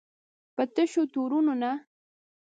په تشو تورونو نه.